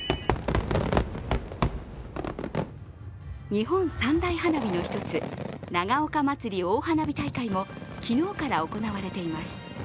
日本三大花火の一つ長岡まつり大花火大会も昨日から行われています。